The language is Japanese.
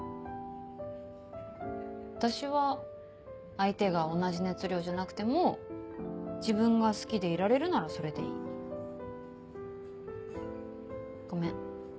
私は相手が同じ熱量じゃなくても自分が好きでいられるならそれでいい。ごめん。